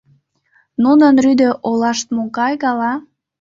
Нунын рӱдӧ олашт могай гала?